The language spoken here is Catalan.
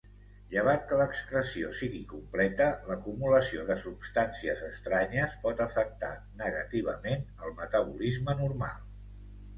Llevat que l'excreció sigui completa, l'acumulació de substancies estranyes pot afectar negativament el metabolisme normal.